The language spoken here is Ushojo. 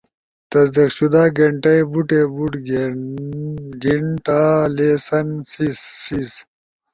تصدیق شدہ گینٹی۔ بوٹے، بُوڑ گھینٹا، لیسن، سیز